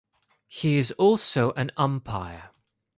He is also an umpire.